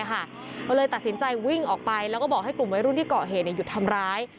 ก็เลยตัดสินใจวิ่งออกไปแล้วก็บอกให้กลุ่มวัยรุ่นที่เกาะเหตุหยุดทำร้าย